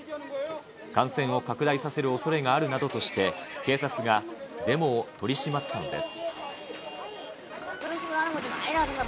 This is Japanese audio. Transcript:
感染を拡大させるおそれがあるなどとして、警察がデモを取り締まったのです。